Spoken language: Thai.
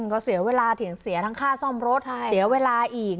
ก็เสียเวลาถึงเสียทั้งค่าซ่อมรถเสียเวลาอีก